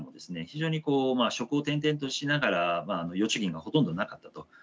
非常にこう職を転々としながら預貯金がほとんどなかったと。